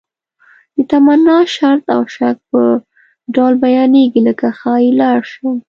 د تمنا، شرط او شک په ډول بیانیږي لکه ښایي لاړ شم.